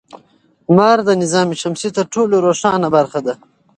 لمر د نظام شمسي تر ټولو روښانه برخه ده.